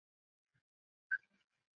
秤砣草